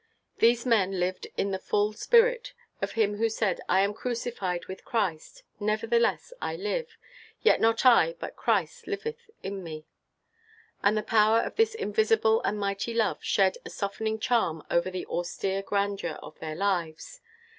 These men lived in the full spirit of him who said, "I am crucified with Christ, nevertheless I live: yet not I, but Christ liveth in me"; and the power of this invisible and mighty love shed a softening charm over the austere grandeur of their lives.